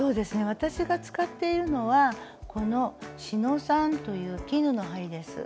私が使っているのはこの「四ノ三」という絹の針です。